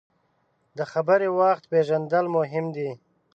د خبرې وخت پیژندل مهم دي.